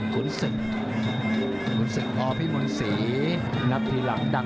คนละนับคนละน้ำ